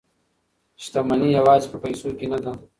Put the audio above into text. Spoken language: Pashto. شتمني یوازې په پیسو کې نه ده.